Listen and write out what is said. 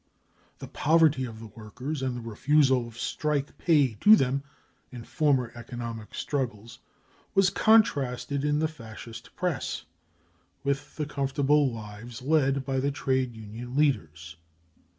The poverty of the workers, and the refusal of strike pay to them in former economic struggles, was contrasted in the Fascist Press with the comfortable lives led by the trade union leaders.